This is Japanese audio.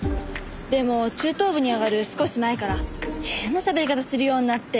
でも中等部に上がる少し前から変なしゃべり方するようになって。